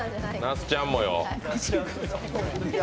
那須ちゃんもよ。